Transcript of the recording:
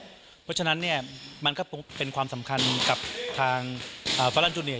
เพราะฉะนั้นเนี่ยมันก็เป็นความสำคัญกับทางฟารันจูเนีย